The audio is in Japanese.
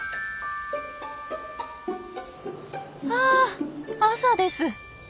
あ朝です。